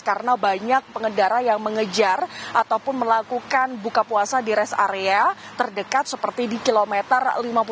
karena banyak pengendara yang mengejar ataupun melakukan buka puasa di rest area terdekat seperti di kilometer lima puluh tujuh